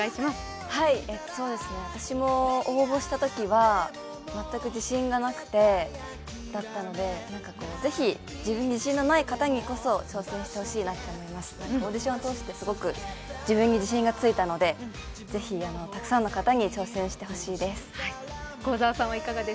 私も応募したときは全く自信がなかったのでぜひ自分に自信のない方にこそ挑戦してほしい、オーディション通して、すごく自分に自信がついたのでぜひ、たくさんの方に挑戦してほしいです。